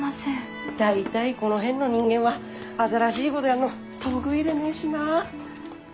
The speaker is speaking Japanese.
大体この辺の人間は新しいごどやんの得意でねえしなあ。